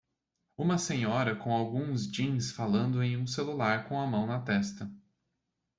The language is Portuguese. Uma senhora com alguns jeans falando em um celular com a mão na testa